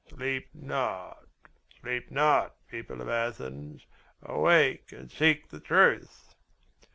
Sleep not, sleep not, people of Athens; awake and seek the truth!"